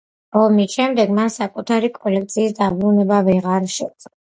ომის შემდეგ მან საკუთარი კოლექციის დაბრუნება ვეღარ შესძლო.